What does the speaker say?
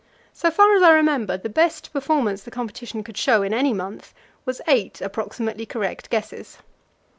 So far as I remember, the best performance the competition could show in any month was eight approximately correct guesses.